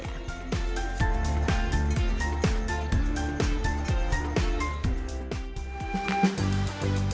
dari surabaya kita bergeser ke sidoarjo